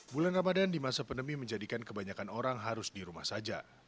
bulan ramadan di masa pandemi menjadikan kebanyakan orang harus di rumah saja